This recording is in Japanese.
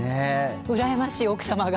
うらやましい、奥様が。